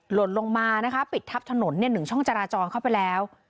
หลดลงมานะคะปิดทับถนนเนี้ยหนึ่งช่องจารจอเข้าไปแล้ว